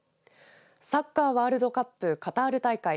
サッカーワールドカップカタール大会